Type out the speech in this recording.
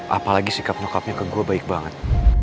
apalagi sikap nengkapnya ke gue baik banget